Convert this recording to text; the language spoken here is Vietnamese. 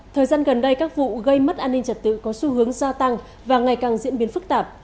thời gian gần đây các vụ gây mất an ninh trật tự có xu hướng gia tăng và ngày càng diễn biến phức tạp